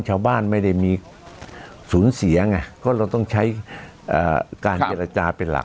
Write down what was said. ชาวบ้านไม่ได้มีสูญเสียไงเพราะเราต้องใช้การเจรจาเป็นหลัก